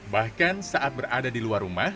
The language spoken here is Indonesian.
bahkan saat berada di luar rumah